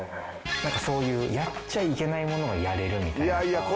なんかそういうやっちゃいけないものをやれるみたいな。